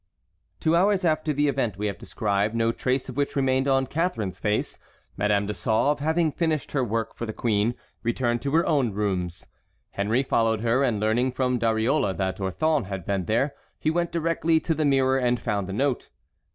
Two hours after the event we have described, no trace of which remained on Catharine's face, Madame de Sauve, having finished her work for the queen, returned to her own rooms. Henry followed her, and learning from Dariole that Orthon had been there he went directly to the mirror and found the note.